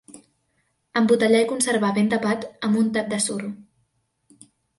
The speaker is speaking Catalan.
Embotellar i conservar ben tapat amb un tap de suro.